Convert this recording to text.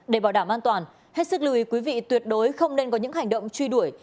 để bảo đảm an toàn hết sức lùi quý vị tuyệt đối không nên có những hành động truy đuổi